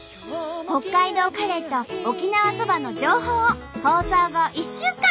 北海道カレーと沖縄そばの情報を放送後１週間配信中！